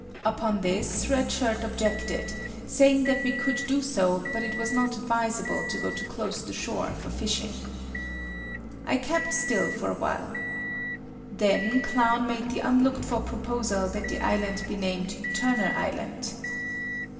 Upon this Red Shirt objected, saying that we could do so but it was not advisable to go too close the shore for fishing. I kept still for a while. Then Clown made the unlooked for proposal that the island be named Turner Island.